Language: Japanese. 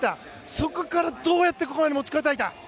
そこから、どうやってここまで持ちこたえた？